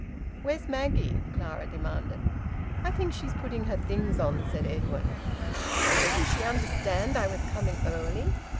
"Where's Maggie?" Clara demanded. "I think she's putting her things on," said Edwin. "But didn't she understand I was coming early?"